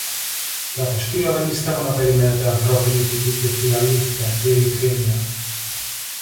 Και από σκύλο δεν πιστεύω να περιμένετε ανθρώπινη ηθική και φιλαλήθεια και ειλικρίνεια.